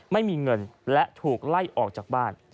ไม่มีเงินและถูกไล่ออกจากบ้าน